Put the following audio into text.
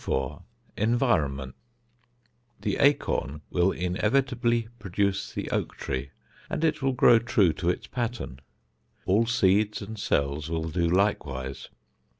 IV ENVIRONMENT The acorn will inevitably produce the oak tree and it will grow true to its pattern. All seeds and cells will do likewise.